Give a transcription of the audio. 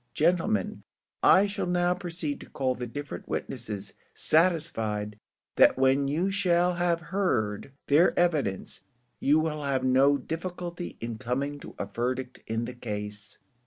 Gentlemen, I shall now proceed to call the different witnesses, satisfied that when you shall have heard their evidence, you will have no difficulty in coming to a verdict in the case."